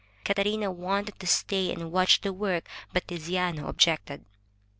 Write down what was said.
Catarina wanted to stay and watch the work, but Tiziano objected.